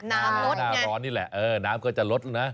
น้ำลดไงนี่แหละเออน้ำก็จะลดนะ